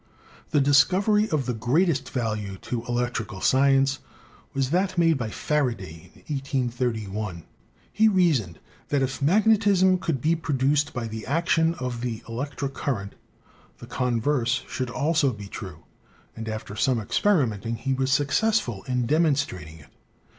The discovery of the greatest value to electrical science was that made by Faraday in 183 1. He reasoned that if magnetism could be produced by the action of the elec tric current, the converse should also be true, and after some experimenting he was successful in demonstrating it.